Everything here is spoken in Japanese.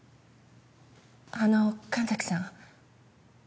あの神崎さん。